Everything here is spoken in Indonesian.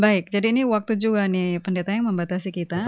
baik jadi ini waktu juga nih pendeta yang membatasi kita